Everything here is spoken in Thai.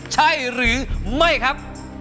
ใช่หรือไม่ครับ